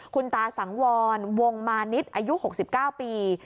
คุณตาสังวรวงมานิดอายุหกสิบเก้าปี